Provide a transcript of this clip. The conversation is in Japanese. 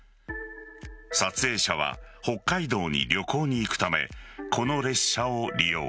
撮影者は北海道に旅行に行くためこの列車を利用。